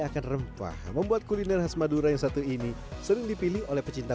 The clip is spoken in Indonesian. akan rempah membuat kuliner khas madura yang satu ini sering dipilih oleh pecinta